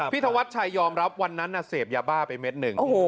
ธวัชชัยยอมรับวันนั้นเสพยาบ้าไปเม็ดหนึ่ง